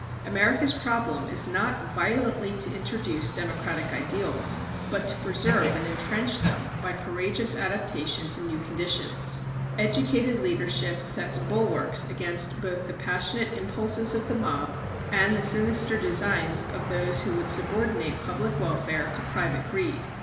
America's problem is not violently to introduce democratic ideals, but to preserve and entrench them by courageous adaptation to new conditions. Educated leadership sets bulwarks against both the passionate impulses of the mob and the sinister designs of those who would subordinate public welfare to private greed.